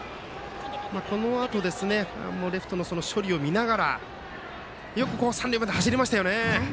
このあとレフトの処理を見ながらよく三塁まで走りましたよね。